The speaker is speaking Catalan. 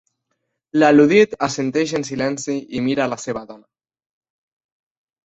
L'al·ludit assenteix en silenci i mira la seva dona.